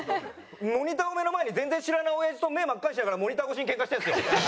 モニターを目の前に全然知らないおやじと目真っ赤にしながらモニター越しにけんかしてるんですよ。